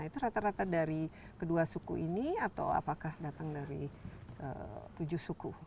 itu rata rata dari kedua suku ini atau apakah datang dari tujuh suku